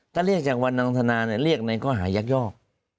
ถ้าเรียกจากวันนางธนาเนี่ยเรียกไหนก็หายักยอก